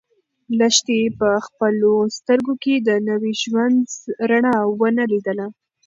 لښتې په خپلو سترګو کې د نوي ژوند رڼا ونه لیده.